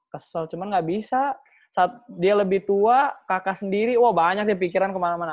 kesel cuman gak bisa saat dia lebih tua kakak sendiri wah banyak dia pikiran kemana mana